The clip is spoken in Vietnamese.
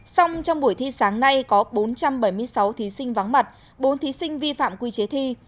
xong trong buổi thi sáng nay có bốn trăm bảy mươi sáu thí sinh vắng mặt bốn thí sinh vi phạm quy chế thi